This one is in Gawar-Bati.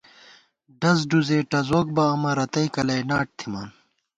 ڈَز ڈُزے ٹزوک بہ امہ ، رتئ کلئ ناٹ تھِمان